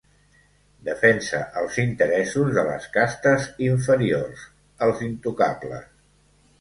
Defensa els interessos de les castes inferiors, els intocables.